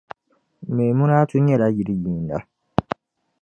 Memunatu nyɛla yili yiinda .